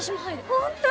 本当？